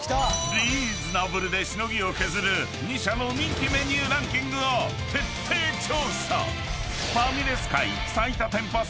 ［リーズナブルでしのぎを削る２社の人気メニューランキングを徹底調査！］